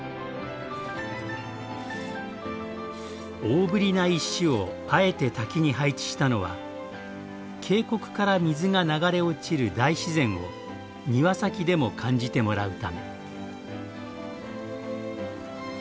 大ぶりな石をあえて滝に配置したのは「渓谷から水が流れ落ちる大自然」を庭先でも感じてもらうため。